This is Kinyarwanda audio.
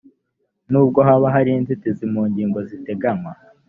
n ubwo haba hari inzitizi mu ngingo ziteganywa